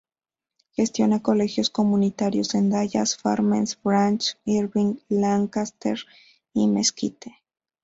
Gestiona colegios comunitarios en Dallas, Farmers Branch, Irving, Lancaster, y Mesquite.